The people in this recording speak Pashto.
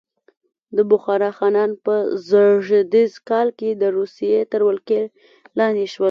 د بخارا خانان په زېږدیز کال د روسیې تر ولکې لاندې شول.